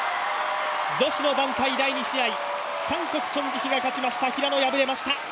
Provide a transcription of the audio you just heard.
女子の団体第２試合、韓国チョン・ジヒが勝ちました、平野敗れました。